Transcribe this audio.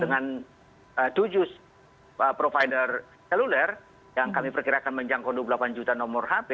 dan kami juga mengundangkan tujuh provider seluler yang kami perkirakan menjangkau dua puluh delapan juta nomor hp